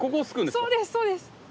そうですそうです。